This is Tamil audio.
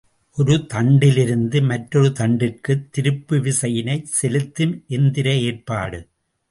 ஒரு தண்டிலிருந்து மற்றொரு தண்டிற்குத் திருப்பு விசையினைச் செலுத்தும் எந்திர ஏற்பாடு.